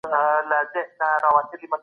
خلک باید خپل بدن وپېژني.